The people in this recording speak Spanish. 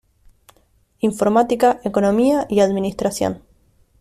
Informática, Economía y Administración.